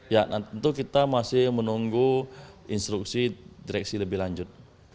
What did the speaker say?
ya tentu kita masih menunggu instruksi direksi lebih lanjut